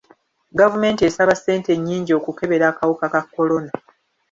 Gavumenti esaba ssente nnyingi okukebera akawuka ka kolona.